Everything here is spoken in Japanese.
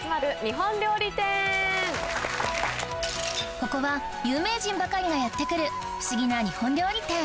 ここは有名人ばかりがやって来る不思議な日本料理店